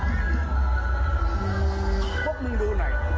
พี่น้องแบบนี้มีความเดือดร้อนของพี่น้องแบบนี้